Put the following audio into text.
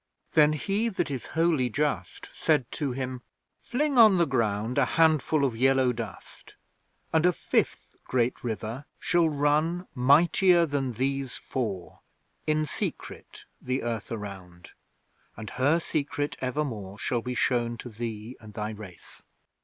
Then He That is Wholly Just Said to him: 'Fling on the ground A handful of yellow dust, And a Fifth Great River shall run, Mightier than these four, In secret the Earth around; And Her secret evermore Shall be shown to thee and thy Race.